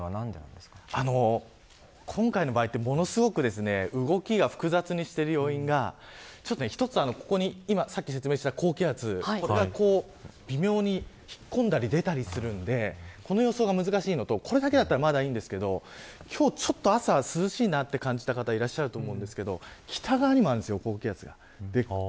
それでもこれだけ幅があるのは今回の場合はものすごく動きが複雑にしている要因がさっき説明した高気圧これが微妙に引っ込んだり出たりするんでこの予想が難しいのとこれだけだったらまだいいんですけどちょっと今日、朝が涼しいなと感じた方いらっしゃると思うんですけど高気圧が北側にもあるんです。